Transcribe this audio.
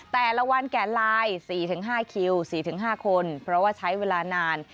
แต่ละวันแก่ไลน์๔๕คิว๔๕คนเพราะว่าใช้เวลานาน